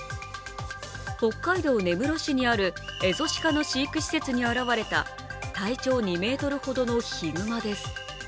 北海道根室市にあるエゾシカの飼育施設に現れた体長２ｍほどのヒグマです。